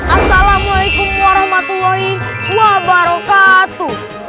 assalamualaikum warahmatullahi wabarakatuh